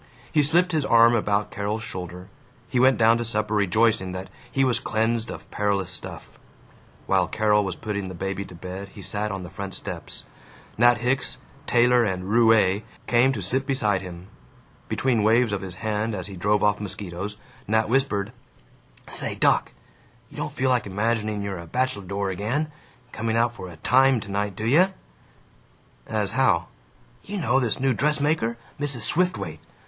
He slipped his arm about Carol's shoulder; he went down to supper rejoicing that he was cleansed of perilous stuff. While Carol was putting the baby to bed he sat on the front steps. Nat Hicks, tailor and roue, came to sit beside him. Between waves of his hand as he drove off mosquitos, Nat whispered, "Say, doc, you don't feel like imagining you're a bacheldore again, and coming out for a Time tonight, do you?" "As how?" "You know this new dressmaker, Mrs. Swiftwaite?